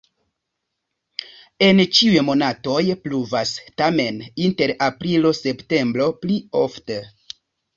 En ĉiuj monatoj pluvas, tamen inter aprilo-septembro pli ofte.